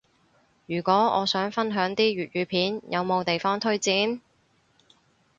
如果我想分享啲粵語片，有冇地方推薦？